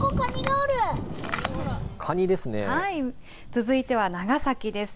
続いては長崎です。